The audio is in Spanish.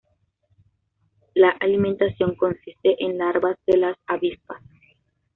La alimentación consiste en larvas de las avispas.